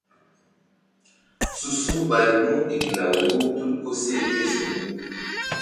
Su-su ɓay mu iklaw wo tul koseh ké ziŋ mu.